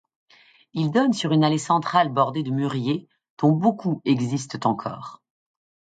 Il donne sur une allée centrale bordée de mûriers, dont beaucoup existent encore.